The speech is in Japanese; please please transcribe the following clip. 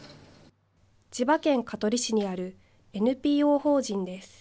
千葉県香取市にあるＮＰＯ法人です。